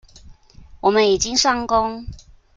我們已經上工